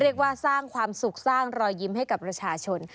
เรียกว่าสร้างความสุขสร้างรอยยิ้มให้กับประชาชน